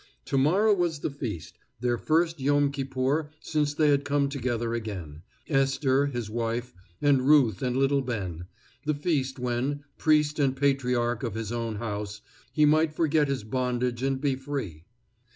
To morrow was the feast, their first Yom Kippur since they had come together again, Esther, his wife, and Ruth and little Ben, the feast when, priest and patriarch of his own house, he might forget his bondage and be free.